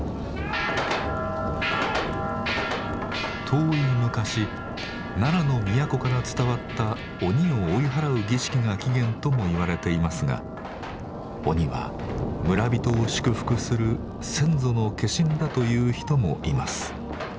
遠い昔奈良の都から伝わった鬼を追い払う儀式が起源ともいわれていますが鬼は村人を祝福する先祖の化身だという人もいます。